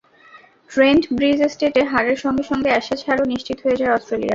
Trent Bridge টেস্টে হারের সঙ্গে সঙ্গে অ্যাশেজ হারও নিশ্চিত হয়ে যায় অস্ট্রেলিয়ার।